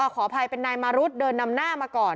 ขออภัยเป็นนายมารุธเดินนำหน้ามาก่อน